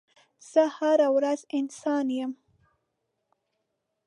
زه هره ورځ انسانه یم